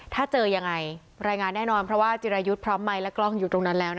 ถ้าเจอยังไงรายงานแน่นอนเพราะว่าจิรายุทธ์พร้อมไมค์และกล้องอยู่ตรงนั้นแล้ว